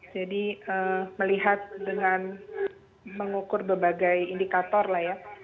jadi melihat dengan mengukur berbagai indikator lah ya